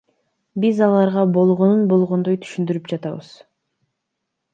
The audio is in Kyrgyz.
Биз аларга болгонун болгондой түшүндүрүп жатабыз.